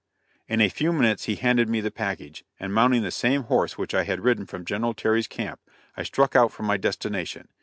In a few minutes he handed me the package, and mounting the same horse which I had ridden from General Terry's camp, I struck out for my destination.